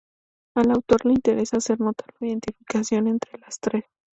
Al autor le interesa hacer notar la identificación entre las tres.